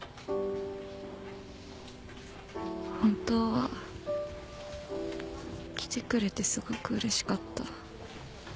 本当は来てくれてすごくうれしかった。